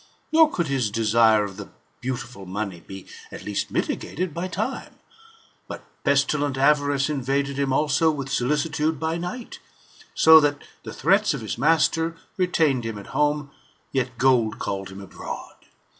Nor could his desire of the beautiful money be at least mitigated by time ; but pestilent avarice invaded him also with solicitude by night; so that the threats of his master retained him at home, yet gold called him abroad.